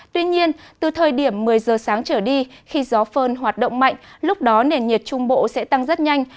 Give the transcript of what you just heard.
tuy nhiên từ thời điểm một mươi giờ sáng trở đi khi gió phơn hoạt động mạnh lúc đó nền nhiệt trung bộ sẽ tăng rất nhanh